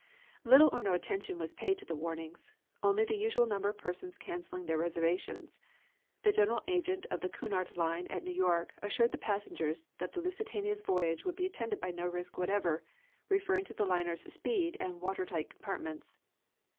Little or no attention was paid to the warnings, only the usual number of persons canceling their reservations, The general agent of the Cunard Line at New York assured the passengers that the Lusitania's voyage would be attended by no risk whatever, referring to the liner's speed and water tight compartments.